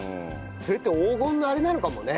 それって黄金のあれなのかもね。